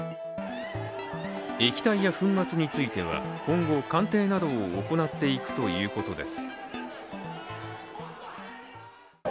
液体や粉末については今後鑑定などを行っていくということです。